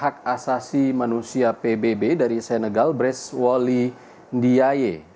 hak asasi manusia pbb dari senegal breas wali ndiaye